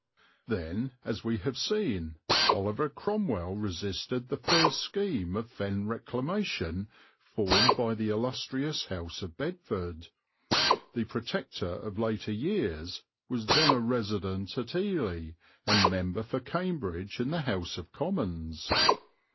Then, as we have seen, Oliver Cromwell resisted the first scheme of Fen reclamation formed by the illustrious house of Bedford the Protector of later years was then a resident at Ely and member for Cambridge in the House of Commons.